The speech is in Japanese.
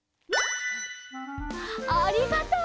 ありがとう！